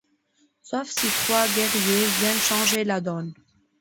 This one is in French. Sauf si trois guerriers viennent changer la donne.